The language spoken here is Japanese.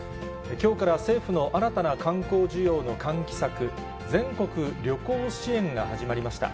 きょうから政府の新たな観光需要の喚起策、全国旅行支援が始まりました。